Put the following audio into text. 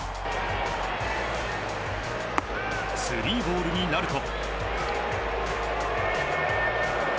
スリーボールになると。